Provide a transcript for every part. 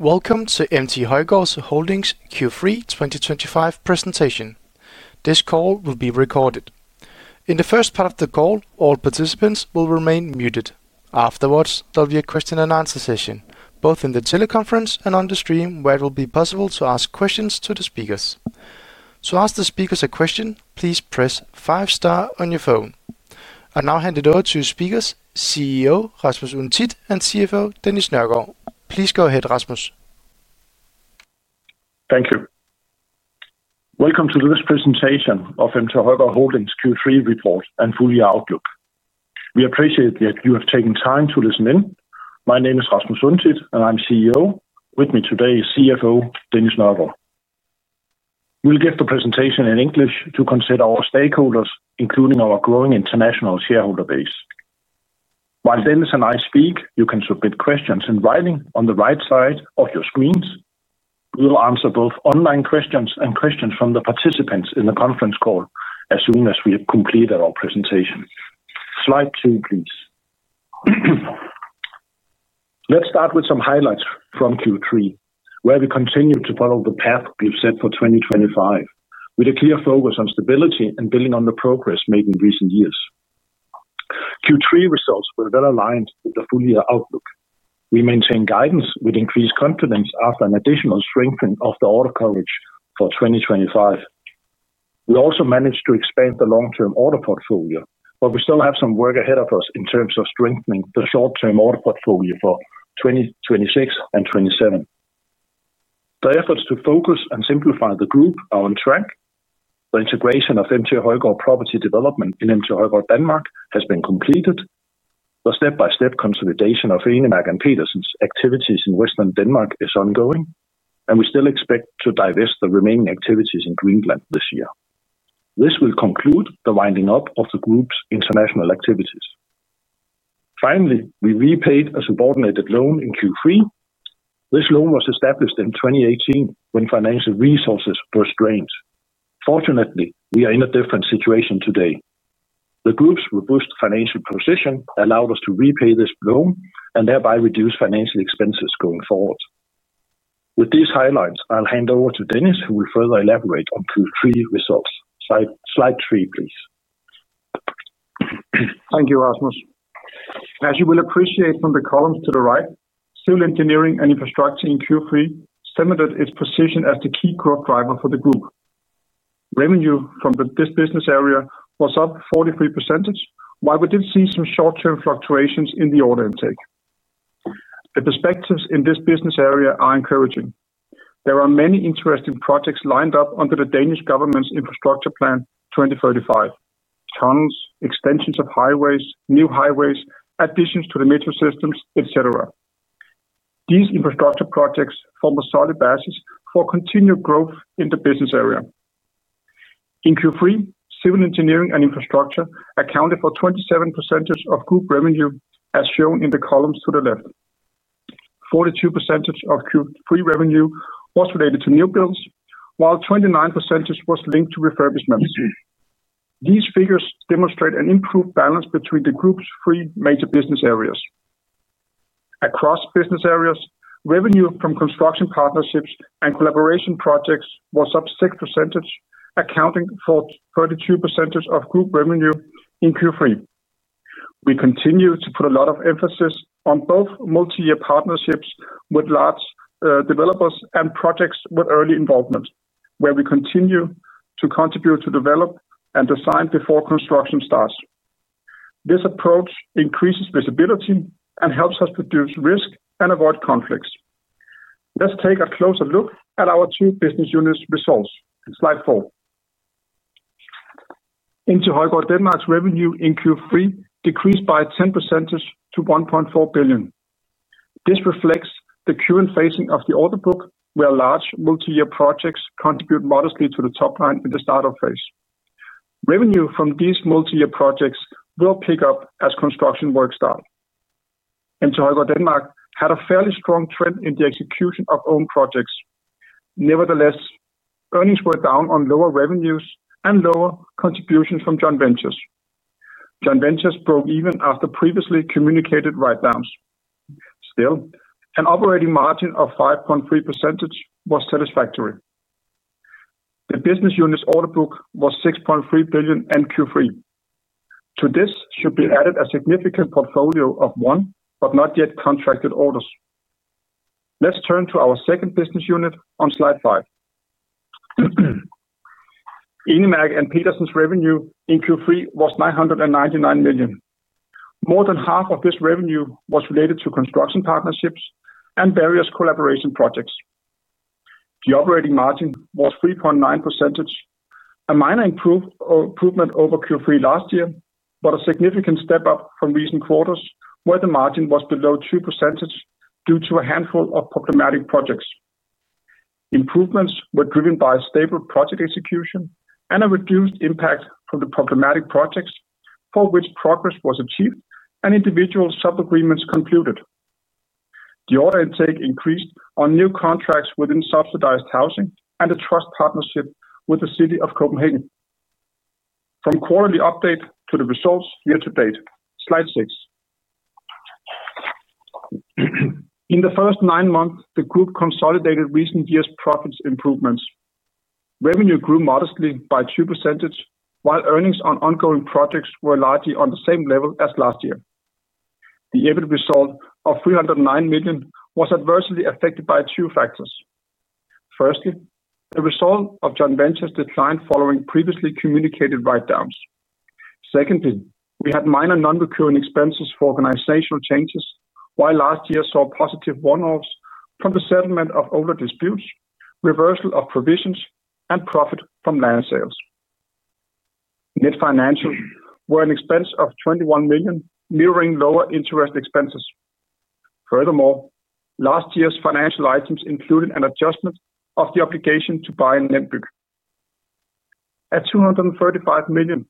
Welcome to MT Højgaard Holding's Q3 2025 presentation. This call will be recorded. In the first part of the call, all participants will remain muted. Afterwards, there will be a question-and-answer session, both in the teleconference and on the stream, where it will be possible to ask questions to the speakers. To ask the speakers a question, please press five star on your phone. I now hand it over to speakers CEO Rasmus Untidt and CFO Dennis Nørgaard. Please go ahead, Rasmus. Thank you. Welcome to this presentation of MT Højgaard Holding Q3 report and full year outlook. We appreciate that you have taken time to listen in. My name is Rasmus Untidt, and I'm CEO. With me today is CFO Dennis Nørgaard. We'll give the presentation in English to consider our stakeholders, including our growing international shareholder base. While Dennis and I speak, you can submit questions in writing on the right side of your screens. We'll answer both online questions and questions from the participants in the conference call as soon as we have completed our presentation. Slide two, please. Let's start with some highlights from Q3, where we continue to follow the path we've set for 2025, with a clear focus on stability and building on the progress made in recent years. Q3 results were well-aligned with the full year outlook. We maintained guidance with increased confidence after an additional strengthening of the order coverage for 2025. We also managed to expand the long-term order portfolio, but we still have some work ahead of us in terms of strengthening the short-term order portfolio for 2026 and 2027. The efforts to focus and simplify the group are on track. The integration of MT Højgaard Property Development in MT Højgaard Denmark has been completed. The step-by-step consolidation of Enemærke & Petersen's activities in Western Denmark is ongoing, and we still expect to divest the remaining activities in Greenland this year. This will conclude the winding up of the group's international activities. Finally, we repaid a subordinated loan in Q3. This loan was established in 2018 when financial resources were strained. Fortunately, we are in a different situation today. The group's robust financial position allowed us to repay this loan and thereby reduce financial expenses going forward. With these highlights, I'll hand over to Dennis, who will further elaborate on Q3 results. Slide three, please. Thank you, Rasmus. As you will appreciate from the columns to the right, civil engineering and infrastructure in Q3 cemented its position as the key growth driver for the group. Revenue from this business area was up 43%, while we did see some short-term fluctuations in the order intake. The perspectives in this business area are encouraging. There are many interesting projects lined up under the Danish government's Infrastructure Plan 2035. Tunnels, extensions of highways, new highways, additions to the metro systems, et cetera. These infrastructure projects form a solid basis for continued growth in the business area. In Q3, civil engineering and infrastructure accounted for 27% of group revenue, as shown in the columns to the left. 42% of Q3 revenue was related to new builds, while 29% was linked to refurbishment. These figures demonstrate an improved balance between the group's three major business areas. Across business areas, revenue from construction partnerships and collaboration projects was up 6%, accounting for 32% of group revenue in Q3. We continue to put a lot of emphasis on both multi-year partnerships with large developers and projects with early involvement, where we continue to contribute, to develop, and design before construction starts. This approach increases visibility and helps us reduce risk and avoid conflicts. Let's take a closer look at our two business units' results in slide four. MT Højgaard Denmark's revenue in Q3 decreased by 10% to 1.4 billion. This reflects the current phasing of the order book, where large multi-year projects contribute modestly to the top line in the startup phase. Revenue from these multi-year projects will pick up as construction work start. MT Højgaard Denmark had a fairly strong trend in the execution of own projects. Nevertheless, earnings were down on lower revenues and lower contributions from joint ventures. Joint ventures broke even after previously communicated write-downs. Still, an operating margin of 5.3% was satisfactory. The business unit's order book was 6.3 billion in Q3. To this should be added a significant portfolio of won, but not yet contracted orders. Let's turn to our second business unit on slide five. Enemærke & Petersen's revenue in Q3 was 999 million. More than half of this revenue was related to construction partnerships and various collaboration projects. The operating margin was 3.9%, a minor improvement over Q3 last year, but a significant step up from recent quarters where the margin was below 2% due to a handful of problematic projects. Improvements were driven by stable project execution and a reduced impact from the problematic projects for which progress was achieved and individual subagreements concluded. The order intake increased on new contracts within subsidized housing and ByK & TRUST with the City of Copenhagen. From the quarterly update to the results year to date. Slide six. In the first nine months, the Group consolidated recent years' profit improvements. Revenue grew modestly by 2%, while earnings on ongoing projects were largely on the same level as last year. The EBIT result of 309 million was adversely affected by 2 factors. First, the result of joint ventures declined following previously communicated write-downs. Second, we had minor non-recurring expenses for organizational changes, while last year saw positive one-offs from the settlement of older disputes, reversal of provisions, and profit from land sales. Net financials were an expense of 21 million, mirroring lower interest expenses. Furthermore, last year's financial items included an adjustment of the obligation to buy NemByg. At 235 million,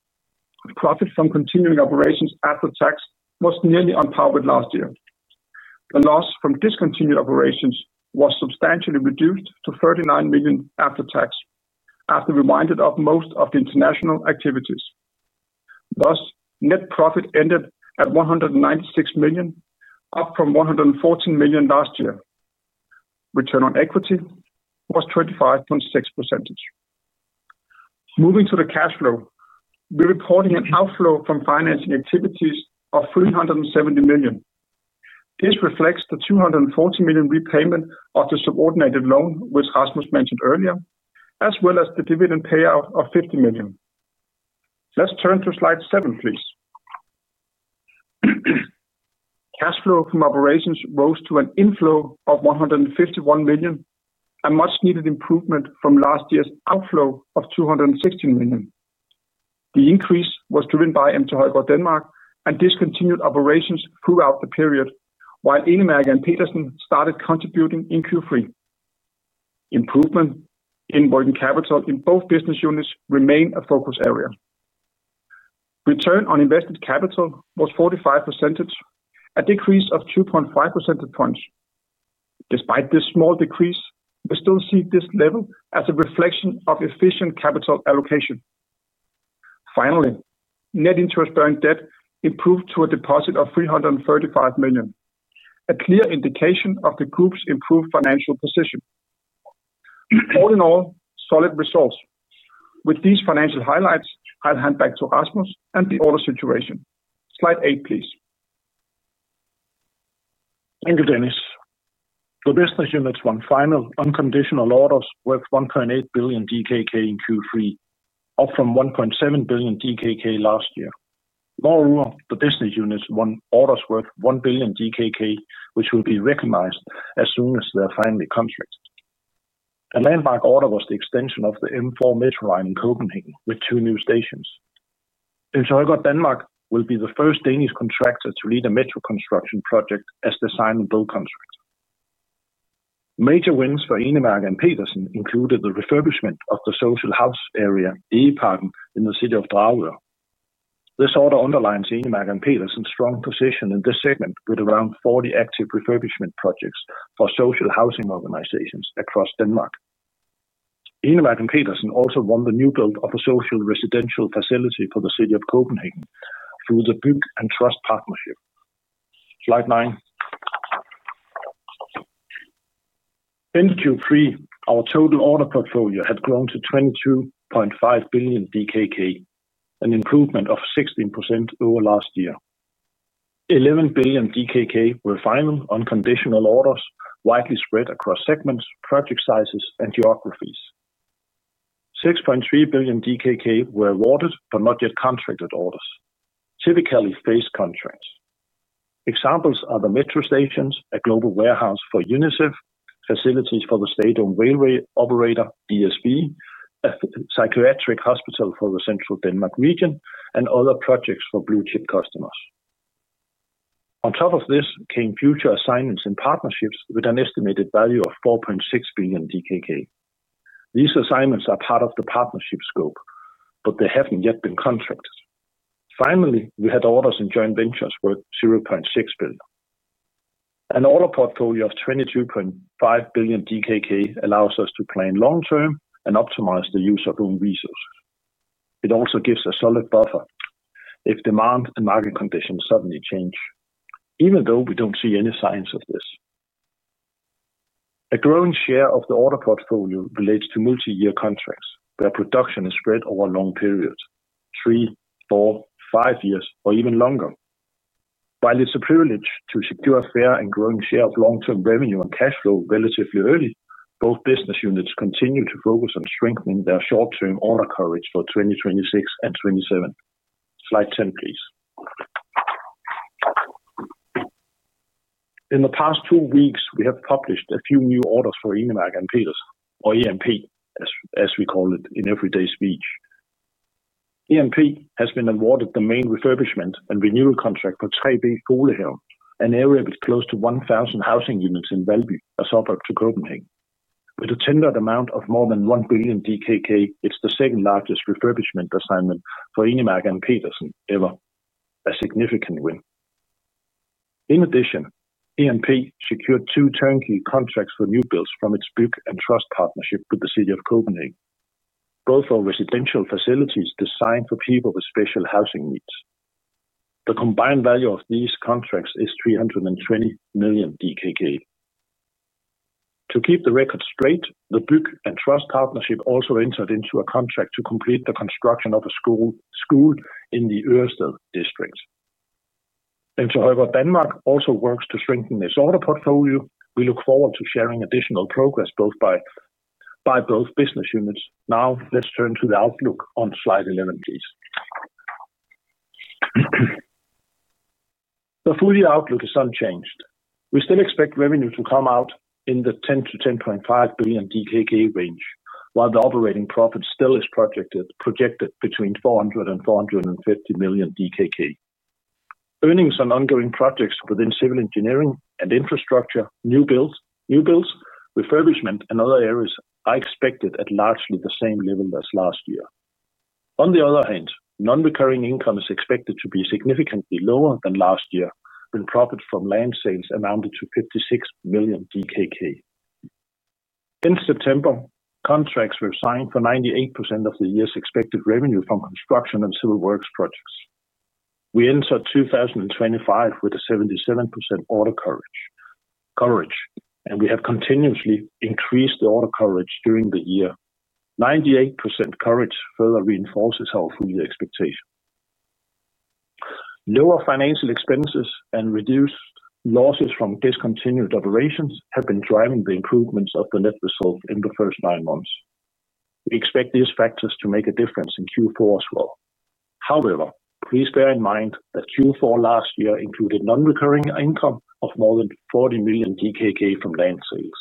profit from continuing operations after tax was nearly on par with last year. The loss from discontinued operations was substantially reduced to 39 million after tax, after we wound up most of the international activities. Thus, net profit ended at 196 million, up from 114 million last year. Return on equity was 25.6%. Moving to the cash flow. We're reporting an outflow from financing activities of 370 million. This reflects the 240 million repayment of the subordinated loan, which Rasmus mentioned earlier, as well as the dividend payout of 50 million. Let's turn to slide seven, please. Cash flow from operations rose to an inflow of 151 million, a much needed improvement from last year's outflow of 216 million. The increase was driven by MT Højgaard Denmark and discontinued operations throughout the period, while Enemærke & Petersen started contributing in Q3. Improvement in working capital in both business units remain a focus area. Return on invested capital was 45%, a decrease of 2.5 percentage points. Despite this small decrease, we still see this level as a reflection of efficient capital allocation. Finally, net interest-bearing debt improved to a deposit of 335 million, a clear indication of the group's improved financial position. All in all, solid results. With these financial highlights, I'll hand back to Rasmus and the order situation. Slide eight, please. Thank you, Dennis. The business units won final unconditional orders worth 1.8 billion DKK in Q3, up from 1.7 billion DKK last year. Moreover, the business units won orders worth 1 billion DKK, which will be recognized as soon as they're finally contracted. A landmark order was the extension of the M4 metro line in Copenhagen with two new stations. MT Højgaard Denmark will be the first Danish contractor to lead a metro construction project as design and build contract. Major wins for Enemærke & Petersen included the refurbishment of the social house area, Engparken, in the city of Dragør. This order underlines Enemærke & Petersen's strong position in this segment, with around 40 active refurbishment projects for social housing organizations across Denmark. Enemærke & Petersen also won the new build of a social residential facility for the city of Copenhagen through the ByK & TRUST partnership. Slide nine. End of Q3, our total order portfolio had grown to 22.5 billion DKK, an improvement of 16% over last year. 11 billion DKK were final unconditional orders, widely spread across segments, project sizes, and geographies. 6.3 billion DKK were awarded but not yet contracted orders, typically phase contracts. Examples are the metro stations, a global warehouse for UNICEF, facilities for the state-owned railway operator DSB, a psychiatric hospital for the Central Denmark Region, and other projects for blue-chip customers. On top of this came future assignments and partnerships with an estimated value of 4.6 billion DKK. These assignments are part of the partnership scope, but they haven't yet been contracted. Finally, we had orders in joint ventures worth 0.6 billion. An order portfolio of 22.5 billion DKK allows us to plan long-term and optimize the use of own resources. It also gives a solid buffer if demand and market conditions suddenly change, even though we don't see any signs of this. A growing share of the order portfolio relates to multi-year contracts where production is spread over long periods, three, four, five years, or even longer. While it's a privilege to secure a fair and growing share of long-term revenue and cash flow relatively early, both business units continue to focus on strengthening their short-term order coverage for 2026 and 2027. Slide 10, please. In the past two weeks, we have published a few new orders for Enemærke & Petersen, or E&P as we call it in everyday speech. E&P has been awarded the main refurbishment and renewal contract for 3B Folehaven, an area with close to 1,000 housing units in Valby, a suburb to Copenhagen. With a tendered amount of more than 1 billion DKK, it's the second-largest refurbishment assignment for Enemærke & Petersen ever. A significant win. In addition, E&P secured two turnkey contracts for new builds from its ByK & TRUST partnership with the City of Copenhagen, both are residential facilities designed for people with special housing needs. The combined value of these contracts is 320 million DKK. To keep the record straight, the ByK & TRUST partnership also entered into a contract to complete the construction of a school in the Ørestad district. MT Højgaard Denmark also works to strengthen its order portfolio. We look forward to sharing additional progress by both business units. Now, let's turn to the outlook on slide 11, please. The full-year outlook is unchanged. We still expect revenue to come out in the 10 billion-10.5 billion DKK range, while the operating profit still is projected between 400 million and 450 million DKK. Earnings on ongoing projects within civil engineering and infrastructure, new builds, refurbishment, and other areas are expected at largely the same level as last year. On the other hand, non-recurring income is expected to be significantly lower than last year, when profit from land sales amounted to 56 million DKK. In September, contracts were signed for 98% of the year's expected revenue from construction and civil works projects. We entered 2025 with a 77% order coverage, and we have continuously increased the order coverage during the year. 98% coverage further reinforces our full-year expectation. Lower financial expenses and reduced losses from discontinued operations have been driving the improvements of the net result in the first nine months. We expect these factors to make a difference in Q4 as well. However, please bear in mind that Q4 last year included non-recurring income of more than 40 million from land sales.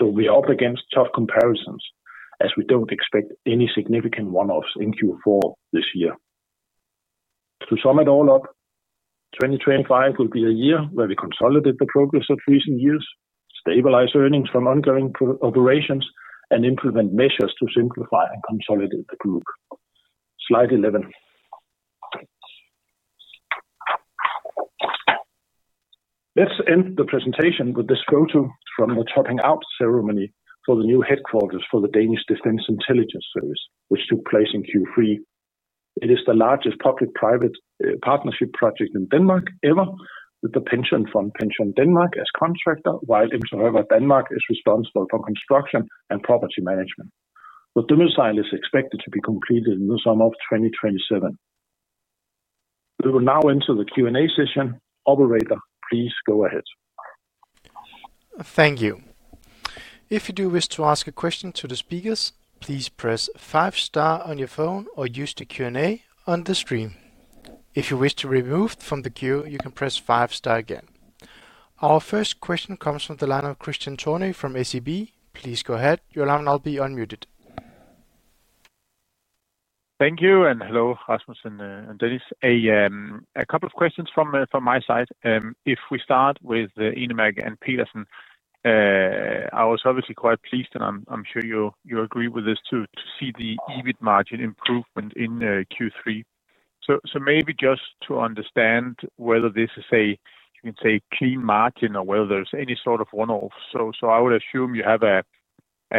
We're up against tough comparisons, as we don't expect any significant one-offs in Q4 this year. To sum it all up, 2025 will be a year where we consolidate the progress of recent years, stabilize earnings from ongoing operations, and implement measures to simplify and consolidate the group. Slide 11. Let's end the presentation with this photo from the topping out ceremony for the new headquarters for the Danish Defence Intelligence Service, which took place in Q3. It is the largest public-private partnership project in Denmark ever, with the pension fund PensionDanmark as contractor, while MT Højgaard Denmark is responsible for construction and property management. The domicile is expected to be completed in the summer of 2027. We will now enter the Q&A session. Operator, please go ahead. Thank you. If you do wish to ask a question to the speakers, please press five star on your phone or use the Q&A on the screen. If you wish to remove from the queue, you can press five star again. Our first question comes from the line of Kristian Tornøe from SEB. Please go ahead. Your line will now be unmuted. Thank you, and hello, Rasmus and Dennis. A couple of questions from my side. If we start with the Enemærke & Petersen, I was obviously quite pleased, and I'm sure you agree with this too, to see the EBIT margin improvement in Q3. Maybe just to understand whether this is a, you can say, clean margin or whether there's any sort of one-off. I would assume you have a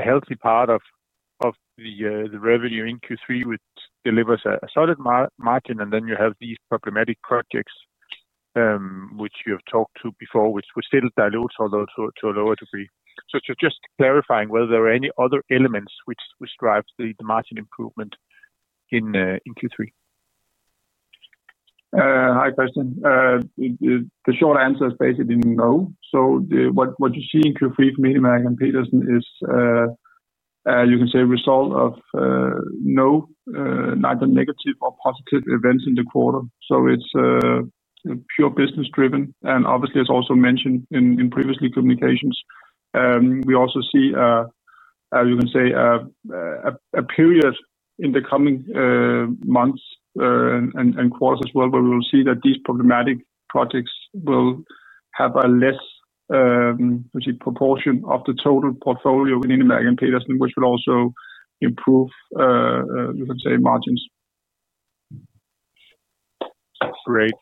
healthy part of the revenue in Q3, which delivers a solid margin, and then you have these problematic projects, which you have talked about before, which still dilutes although to a lower degree. Just verifying whether there are any other elements which drive the margin improvement in Q3. Hi, Kristian. The short answer is basically no. What you see in Q3 from Enemærke & Petersen is, you can say, a result of neither negative or positive events in the quarter. It's pure business driven and obviously as also mentioned in previous communications. We also see a, you can say, a period in the coming months, and quarters as well, where we will see that these problematic projects will have a less proportion of the total portfolio within Enemærke & Petersen, which will also improve, you can say, margins. Great.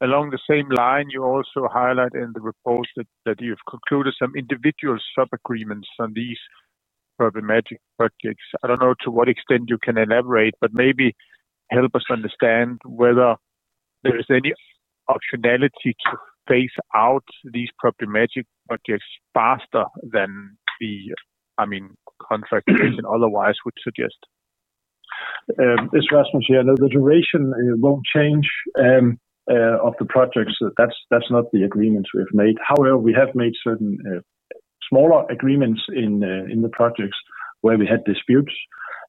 Along the same line, you also highlight in the report that you have concluded some individual sub-agreements on these problematic projects. I don't know to what extent you can elaborate, but maybe help us understand whether there is any optionality to phase out these problematic projects faster than the contract duration otherwise would suggest. It's Rasmus here. No, the duration won't change of the projects. That's not the agreements we have made. However, we have made certain smaller agreements in the projects where we had disputes.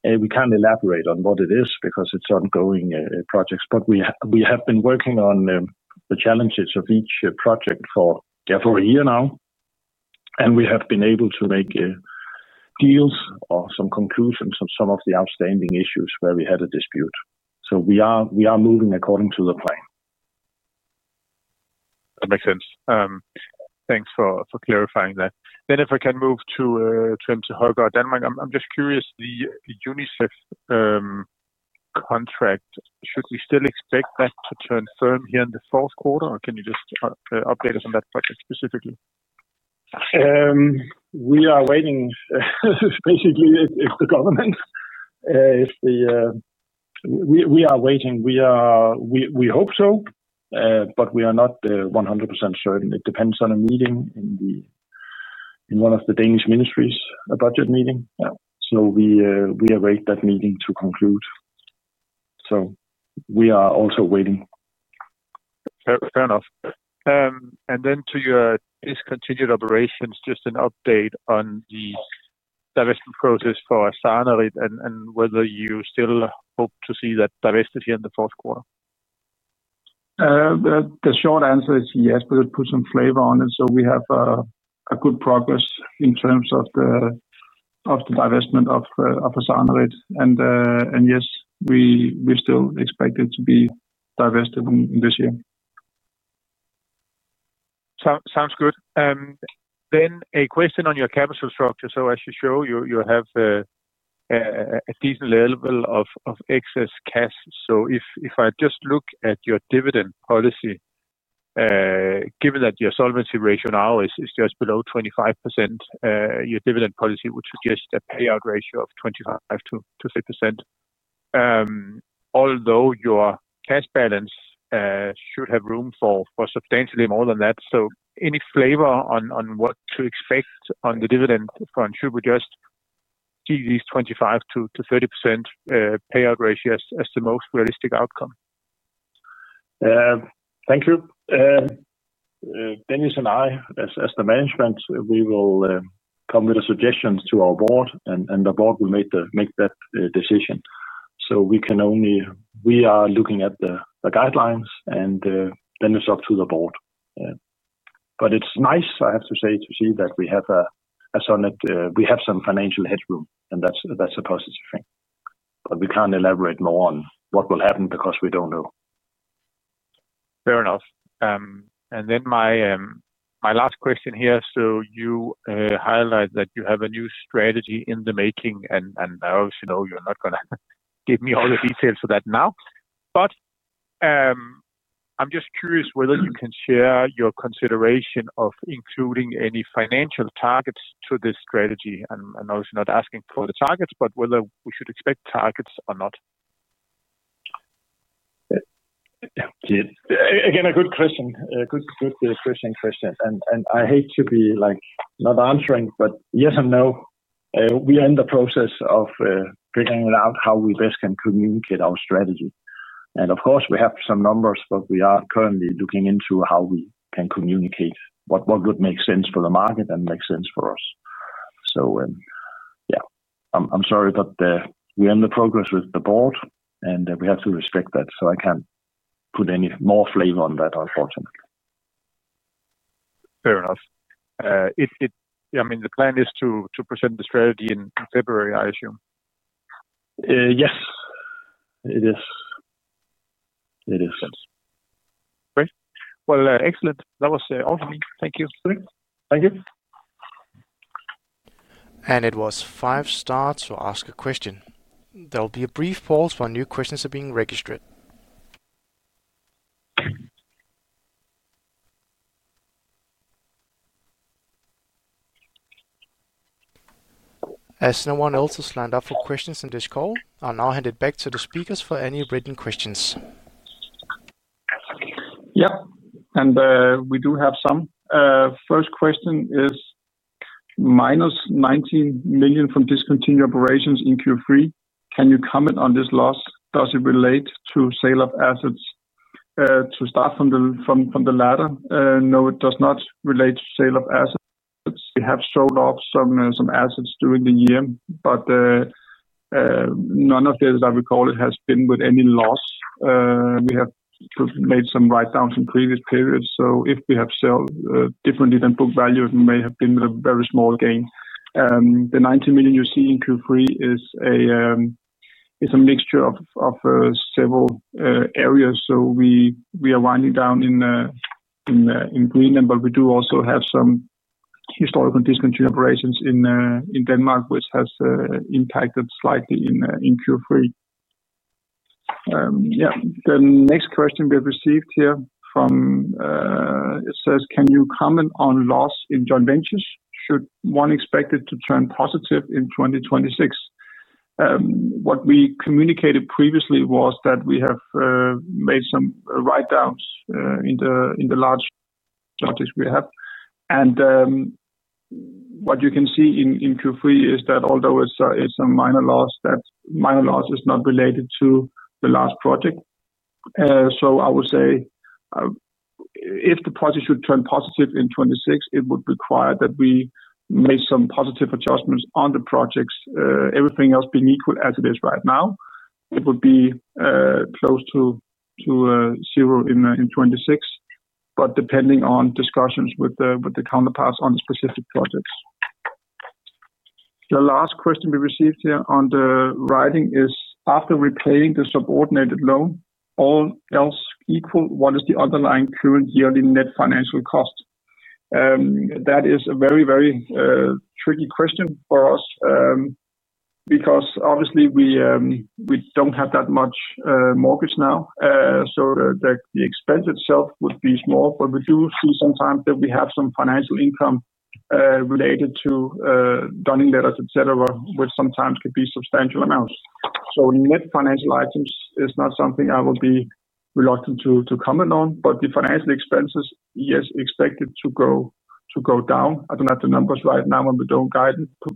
We can't elaborate on what it is because it's ongoing projects. We have been working on the challenges of each project for definitely a year now, and we have been able to make deals or some conclusions on some of the outstanding issues where we had a dispute. We are moving according to the plan. That makes sense. Thanks for clarifying that. If I can move to MT Højgaard Denmark, I'm just curious, the UNICEF contract, should we still expect that to turn firm here in the fourth quarter, or can you just update us on that project specifically? We are waiting. We hope so, but we are not 100% certain. It depends on a meeting in one of the Danish ministries, a budget meeting. We await that meeting to conclude. We are also waiting. Fair enough. To your discontinued operations, just an update on the divestment process for Scandi Byg, and whether you still hope to see that divested here in the fourth quarter? The short answer is yes. We'll put some flavor on it, so we have a good progress in terms of the divestment of Scandi Byg. Yes, we still expect it to be divested this year. Sounds good. A question on your capital structure. As you show, you have a decent level of excess cash. If I just look at your dividend policy, given that your solvency ratio now is just below 25%, your dividend policy would suggest a payout ratio of 25%-30%. Although your cash balance should have room for substantially more than that. Any flavor on what to expect on the dividend front? Should we just see these 25%-30% payout ratios as the most realistic outcome? Thank you. Dennis and I, as the management, we will come with the suggestions to our board, and the board will make that decision. We are looking at the guidelines, and then it's up to the board. It's nice, I have to say, to see that we have some financial headroom, and that's a positive thing. We can't elaborate more on what will happen because we don't know. Fair enough. My last question here, you highlight that you have a new strategy in the making, and I obviously know you're not going to give me all the details for that now. I'm just curious whether you can share your consideration of including any financial targets to this strategy. I'm obviously not asking for the targets, but whether we should expect targets or not? Again, a good question. I hate to be not answering, but yes and no. We are in the process of figuring out how we best can communicate our strategy. Of course, we have some numbers, but we are currently looking into how we can communicate what would make sense for the market and make sense for us. Yeah. I'm sorry, but we're in the process with the board and we have to respect that, so I can't put any more flavor on that, unfortunately. Fair enough. The plan is to present the strategy in February, I assume. Yes. It is. Great. Well, excellent. That was all for me. Thank you. Thanks. Thank you. There will be a brief pause while new questions are being registered. As no one else has signed up for questions in this call, I'll now hand it back to the speakers for any written questions. Yeah. We do have some. First question is -19 million from discontinued operations in Q3. Can you comment on this loss? Does it relate to sale of assets? To start from the latter, no, it does not relate to sale of assets. We have sold off some assets during the year, but none of this, I recall, it has been with any loss. We have made some write-downs in previous periods, so if we have sold differently than book value, it may have been a very small gain. The DKK 19 million you see in Q3 is a mixture of several areas. We are winding down in Greenland, but we do also have some historical discontinued operations in Denmark which has impacted slightly in Q3. Yeah. The next question we have received here it says, "Can you comment on loss in joint ventures? Should one expect it to turn positive in 2026? What we communicated previously was that we have made some write-downs in the large projects we have. What you can see in Q3 is that although it's a minor loss, that minor loss is not related to the last project. I would say if the project should turn positive in 2026, it would require that we make some positive adjustments on the projects. Everything else being equal as it is right now, it would be close to zero in 2026, depending on discussions with the counterparts on the specific projects. The last question we received here on the writedown is, after repaying the subordinated loan, all else equal, what is the underlying current yearly net financial cost? That is a very tricky question for us, because obviously we don't have that much mortgage now. The expense itself would be small, but we do see sometimes that we have some financial income related to dunning letters, et cetera, which sometimes could be substantial amounts. Net financial items is not something I would be reluctant to comment on. The financial expenses, yes, expected to go down. I don't have the numbers right now, and we don't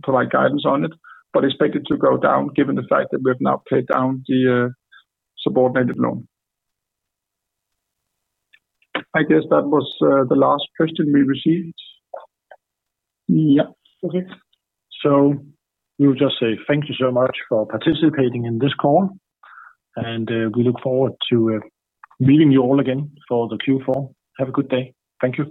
provide guidance on it, but expect it to go down given the fact that we've now paid down the subordinated loan. I guess that was the last question we received. Yeah. Okay. We will just say thank you so much for participating in this call, and we look forward to meeting you all again for the Q4. Have a good day. Thank you.